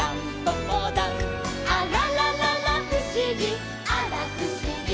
「あららららふしぎあらふしぎ」